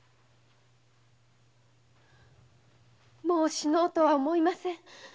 もう死のうとは思いません。